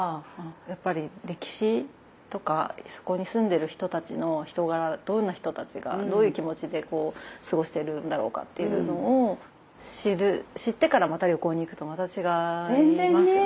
やっぱり歴史とかそこに住んでる人たちの人柄どんな人たちがどういう気持ちで過ごしてるんだろうかっていうのを知る知ってからまた旅行に行くとまた違いますよね。